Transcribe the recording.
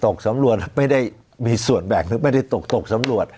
ตกสำรวจไม่ได้มีส่วนแบกนึกตกสำรวจ